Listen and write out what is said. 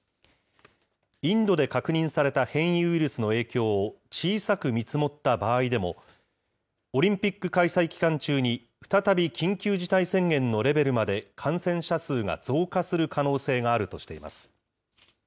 インドで確認された変異ウイルスの影響を、小さく見積もった場合でも、オリンピック開催期間中に、再び緊急事態宣言のレベルまで感染者数が増加する可能性があるとしています。